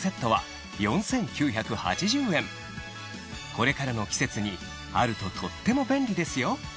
これからの季節にあるととっても便利ですよ